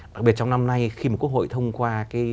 đặc biệt trong năm nay khi mà quốc hội thông qua